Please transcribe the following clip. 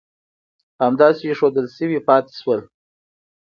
همداسې اېښودل شوي پاتې شول.